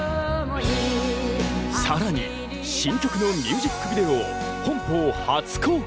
更に新曲のミュージックビデオを本邦初公開。